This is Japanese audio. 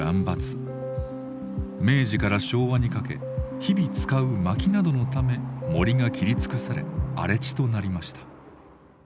明治から昭和にかけ日々使うまきなどのため森が切り尽くされ荒れ地となりました。